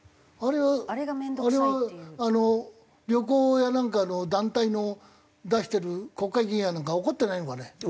あれは旅行やなんかの団体の出してる国会議員やなんか怒ってないのかね？